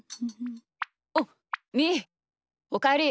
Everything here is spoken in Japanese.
おっみーおかえり！